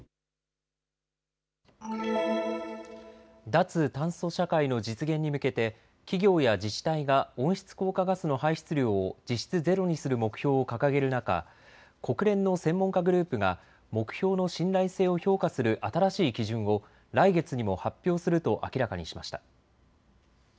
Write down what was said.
脱炭素社会の実現に向けて企業や自治体が温室効果ガスの排出量を実質ゼロにする目標を掲げる中、国連の専門家グループが目標の信頼性を評価する新しい基準を来月にも発表すると明らかにしました。